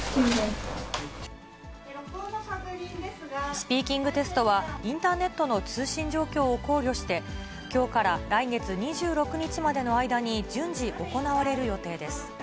スピーキングテストは、インターネットの通信状況を考慮して、きょうから来月２６日までの間に順次行われる予定です。